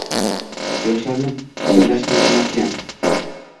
Yoshlarni birlashtiruvchi maskan